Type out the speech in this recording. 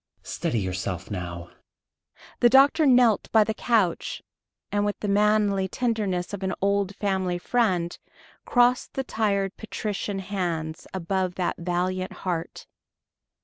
Steady yourself now." The doctor knelt by the couch and, with the manly tenderness of an old family friend, crossed the tired patrician hands above that valiant heart.